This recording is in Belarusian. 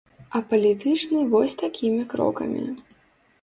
А палітычны вось такімі крокамі.